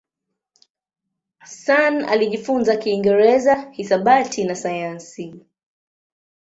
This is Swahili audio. Sun alijifunza Kiingereza, hisabati na sayansi.